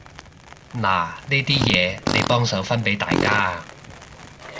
嗱呢啲嘢，你幫手分畀大家啊